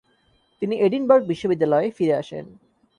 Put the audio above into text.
তিনি এডিনবার্গ বিশ্ববিদ্যালয়ে ফিরে আসেন।